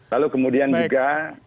lalu kemudian juga